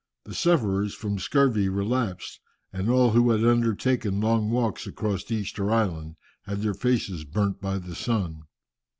The sufferers from scurvy relapsed, and all who had undertaken long walks across Easter Island had their faces burnt by the sun.